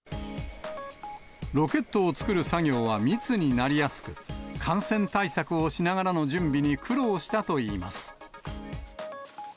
ロケットを作る作業は密になりやすく、感染対策をしながらの準備に苦労したといいます。